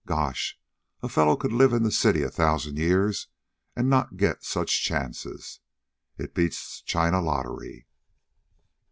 Gosh! A fellow could live in the city a thousan' years an' not get such chances. It beats China lottery."